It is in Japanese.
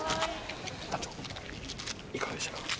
団長いかがでしたか？